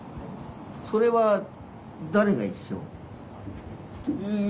それは誰が一緒？